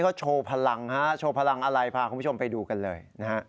เขาโชว์พลังฮะโชว์พลังอะไรพาคุณผู้ชมไปดูกันเลยนะฮะ